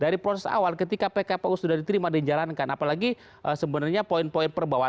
dari proses awal ketika pkpu sudah diterima dan dijalankan apalagi sebenarnya poin poin perbawah